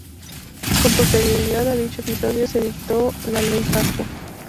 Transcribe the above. Con posterioridad a dicho episodio, se dictó la Ley Pascua.